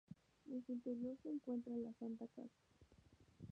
En su interior se encuentra la Santa Casa.